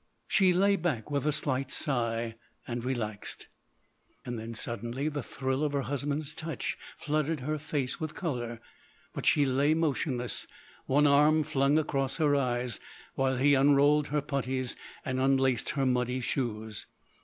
She lay back with a slight sigh, relaxed. Then, suddenly, the thrill of her husband's touch flooded her face with colour; but she lay motionless, one arm flung across her eyes, while he unrolled her puttees and unlaced her muddy shoes.